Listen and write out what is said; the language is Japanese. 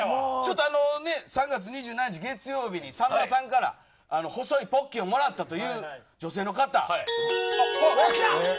３月２７日月曜日にさんまさんから細いポッキーをもらったという女性の方。